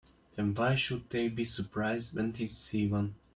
Then why should they be surprised when they see one?